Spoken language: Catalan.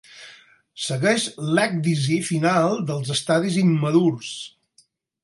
Segueix l'ècdisi final dels estadis immadurs.